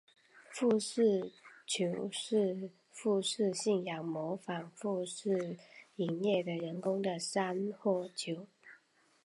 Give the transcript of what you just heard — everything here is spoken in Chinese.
富士冢是富士信仰模仿富士山营造的人工的山或冢。